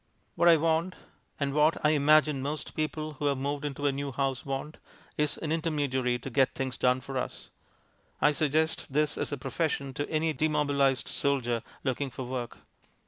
What I want, and what, I imagine, most people who have moved into a new house want, is an intermediary to get things done for us. I suggest this as a profession to any demobilized soldier looking for work.